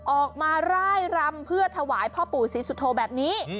มาร่ายรำเพื่อถวายพ่อปู่ศรีสุโธแบบนี้